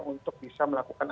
untuk bisa melakukan